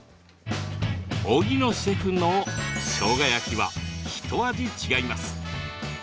荻野シェフのしょうが焼きはひと味違います。